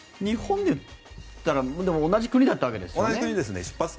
日本で言ったら同じ国だったわけですよね。